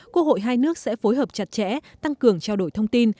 quốc hội hai nước sẽ phối hợp chặt chẽ tăng cường trao đổi thông tin